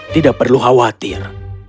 tidak perlu khawatir